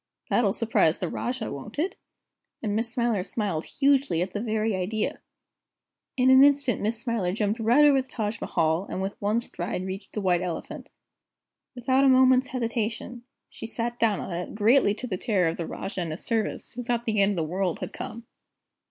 That'll surprise the Rajah, won't it?" and Miss Smiler smiled hugely at the very idea. In an instant Miss Smiler jumped right over the Taj Mahal, and with one stride reached the White Elephant. Without a moment's hesitation, she sat down on it, greatly to the terror of the Rajah and his servants, who thought the end of the world had come.